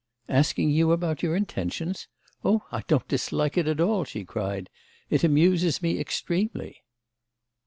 "Asking you about your intentions? Oh I don't dislike it at all!" she cried. "It amuses me extremely."